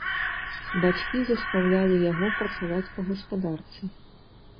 Бацькі застаўлялі яго працаваць па гаспадарцы.